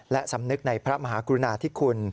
และสำนึกในพระมหากรุณาธิคุณ